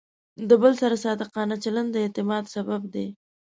د بل سره صادقانه چلند د اعتماد سبب دی.